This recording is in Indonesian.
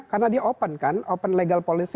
karena di open kan open legal policy